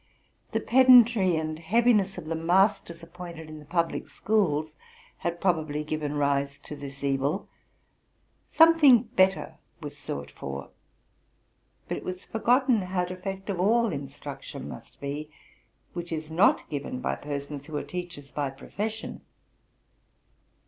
The pedantry and heaviness of the masters appointed in the public schools had probably given rise to this evil. Something better was sought for, but it was forgotten how defective all instruction must be which is not given by persons who are teachers by profession.